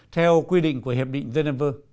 theo quy định của hiệp định geneva